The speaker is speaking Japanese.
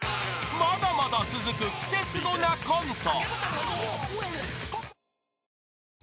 ［まだまだ続くクセスゴなコント］